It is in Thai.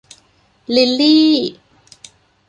ลิลลี่